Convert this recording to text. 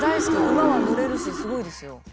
馬は乗れるしすごいですよ。